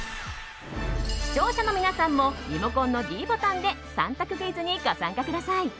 視聴者の皆さんもリモコンのｄボタンで３択クイズにご参加ください。